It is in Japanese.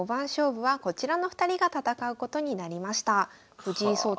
藤井聡太